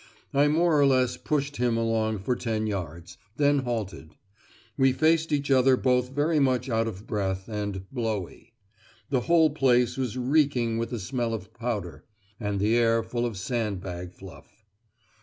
I more or less pushed him along for ten yards then halted; we faced each other both very much out of breath and "blowy." The whole place was reeking with the smell of powder, and the air full of sand bag fluff.